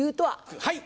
はい！